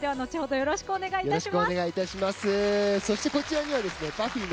よろしくお願いします。